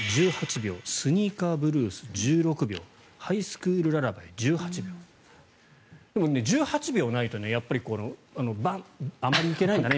１８秒「スニーカーぶるす」１６秒「ハイスクールララバイ」１８秒１８秒ないとあまりいけないんだな